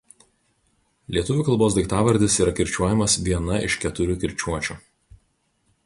Lietuvių kalbos daiktavardis yra kirčiuojamas viena iš keturių kirčiuočių.